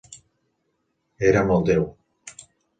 Érem el Déu.